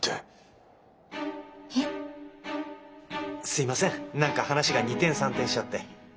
すいません何か話が二転三転しちゃって。